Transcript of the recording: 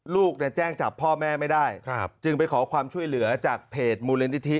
แจ้งจับพ่อแม่ไม่ได้จึงไปขอความช่วยเหลือจากเพจมูลนิธิ